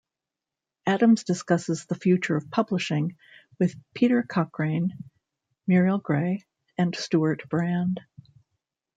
Adams discusses the future of publishing with Peter Cochrane, Muriel Gray and Stewart Brand.